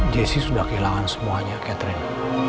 jesse sudah kehilangan semuanya catherine